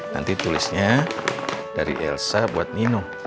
nanti tulisnya dari elsa buat nino